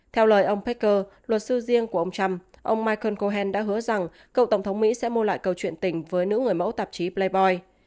theo lời ông pecker luật sư riêng của ông trump ông michael kohen đã hứa rằng cựu tổng thống mỹ sẽ mua lại câu chuyện tình với nữ người mẫu tạp chí playboy